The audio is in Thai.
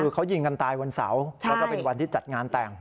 คือเขายิงกันตายวันเสาร์แล้วก็เป็นวันที่จัดงานแต่ง